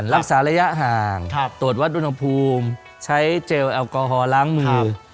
รักษาระยะห่างตรวจวัดอุณหภูมิใช้เจลแอลกอฮอลล้างมือ